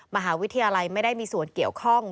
มหาวิทยาลัยไม่ได้มีส่วนเกี่ยวข้อง